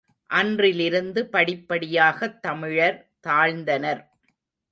அன்றிலிருந்து படிப்படியாகத் தமிழர் தாழ்ந்தனர்.